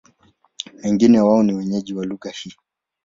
Wengi wao ni wenyeji wa lugha hii.